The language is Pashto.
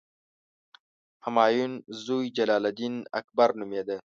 همایون زوی جلال الدین اکبر نومېده.